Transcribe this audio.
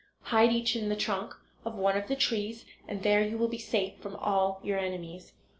Hide each in the trunk of one of the trees and there you will be safe from all your enemies."